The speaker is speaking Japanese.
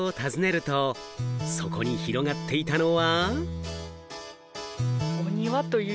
都内のお宅を訪ねると、そこに広がっていたのは。